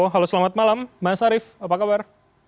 halo selamat malam mas arief apa kabar